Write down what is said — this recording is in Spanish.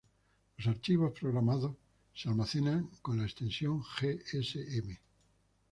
Los archivos programados se almacenan con la extensión gsm.